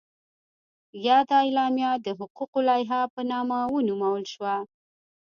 یاده اعلامیه د حقوقو لایحه په نامه ونومول شوه.